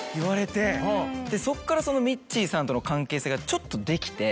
そっからそのミッチーさんとの関係性がちょっとできて。